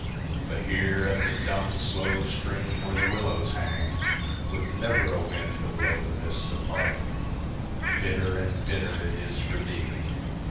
But here at the dumb, slow stream where the willows hang, With never a wind to blow the mists apart, Bitter and bitter it is for thee.